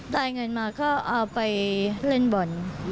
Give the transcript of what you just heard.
ได้เงินมาก็เอาไปเล่นบอล